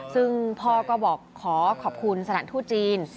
ซึ่งพ่อก็บอกขอขอบคุณสถานทูตจีน